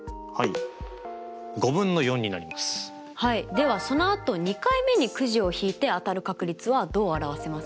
ではそのあと２回目にくじをひいて当たる確率はどう表せますか？